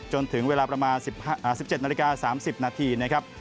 จนถึงเวลาประมาณ๑๗นาฬิกา๓๐นาที